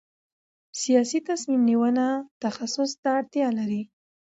سیاسي تصمیم نیونه تخصص ته اړتیا لري